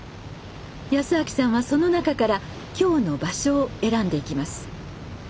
康明さんはその中から今日の場所を選んでいきます。